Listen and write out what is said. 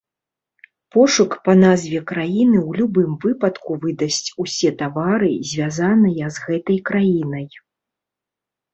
Пошук па назве краіны ў любым выпадку выдасць усе тавары, звязаныя з гэтай краінай.